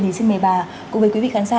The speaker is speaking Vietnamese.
thì xin mời bà cùng với quý vị khán giả